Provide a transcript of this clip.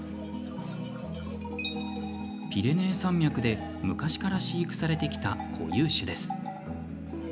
ピレネー山脈で昔から飼育されてきた固有種です。